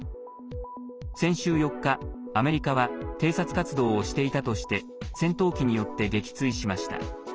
先週４日、アメリカは偵察活動をしていたとして戦闘機によって撃墜しました。